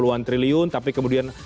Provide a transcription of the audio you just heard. delapan puluh an triliun tapi kemudian